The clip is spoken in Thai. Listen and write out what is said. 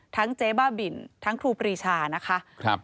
ทั้งเจ๊บ้าบินทั้งทูปรีชา